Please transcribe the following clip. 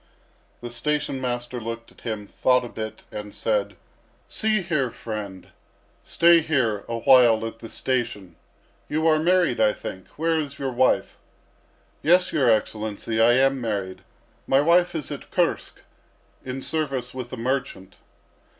The station master looked at him, thought a bit, and said: "See here, friend, stay here a while at the station. You are married, I think. Where is your wife?" "Yes, your Excellency, I am married. My wife is at Kursk, in service with a merchant."